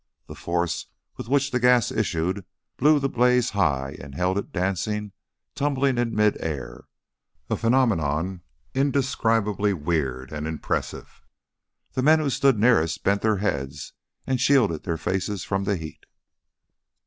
The force with which the gas issued blew the blaze high and held it dancing, tumbling in mid air, a phenomenon indescribably weird and impressive. The men who stood nearest bent their heads and shielded their faces from the heat.